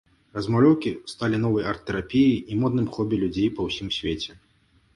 Размалёўкі сталі новай арт-тэрапіяй і модным хобі людзей па ўсім свеце.